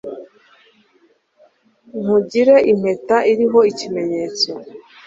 nkugire impeta iriho ikimenyetso